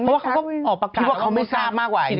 เพราะว่าเขาพระกาศเอาความจริงไม่ทราบมากกว่าไอ้พี่